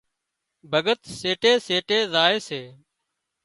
ڀڳت سيٽي سيٽي زائي سي